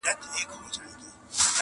نه د پردي نسیم له پرخو سره وغوړېدم-